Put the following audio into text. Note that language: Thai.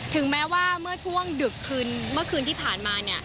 ถึงแม้ว่าเมื่อช่วงดึกคืนเมื่อคืนที่ผ่านมา